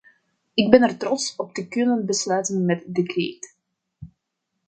Ik ben er trots op te kunnen besluiten met de kreet: .